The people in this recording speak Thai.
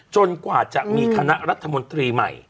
กว่าจะมีคณะรัฐมนตรีใหม่